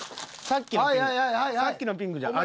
さっきのピンクじゃん。